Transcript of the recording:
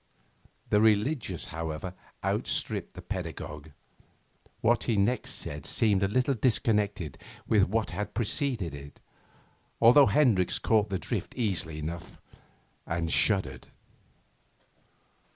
The religious, however, outstripped the pedagogue. What he next said seemed a little disconnected with what had preceded it, although Hendricks caught the drift easily enough and shuddered.